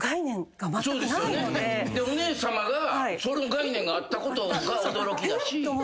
お姉さまがその概念があったことが驚きだし。